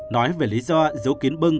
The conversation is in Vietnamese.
nói về lý do giấu kín bưng